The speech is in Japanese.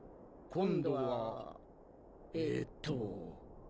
今度はえっと。